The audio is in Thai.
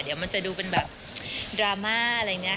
เดี๋ยวมันจะดูเป็นแบบดราม่าอะไรอย่างนี้